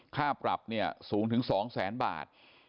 ค่าปรับเนี่ยสูงถึง๒แสนบาท